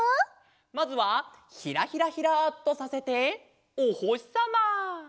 まずはひらひらひらっとさせておほしさま！